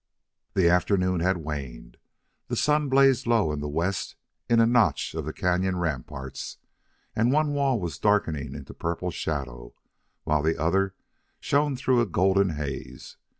The afternoon had waned. The sun blazed low in the west in a notch of the cañon ramparts, and one wall was darkening into purple shadow while the other shone through a golden haze.